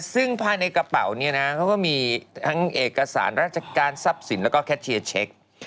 ซึ่งภายในกระเป๋าเนี่ยนะเขาก็มีทั้งเอกสารราชการทรัพย์สินแล้วก็แคทเชียร์เช็ค